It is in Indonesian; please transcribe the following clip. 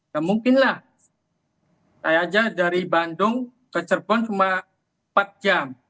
ya mungkinlah saya aja dari bandung ke cirebon cuma empat jam